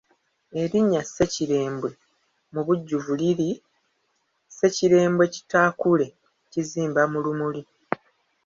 Erinnya Ssekirembwe mubujjuvu liri Ssekirembwe kitaakule kizimba mu lumuli.